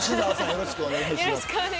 よろしくお願いします。